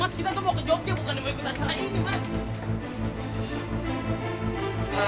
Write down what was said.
mas kita tuh mau ke jogja bukan nih mau ikutan acara ini